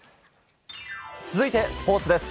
続いて、スポーツです。